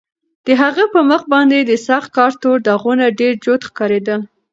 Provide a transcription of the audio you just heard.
د هغه په مخ باندې د سخت کار تور داغونه ډېر جوت ښکارېدل.